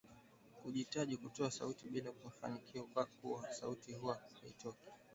Kujitahidi kutoa sauti bila mafinikio kwa kuwa sauti huwa haitoki